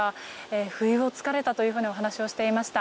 不意を突かれたと話をしていました。